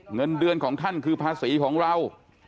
เงินเดือนของท่านคือภาษีของเรา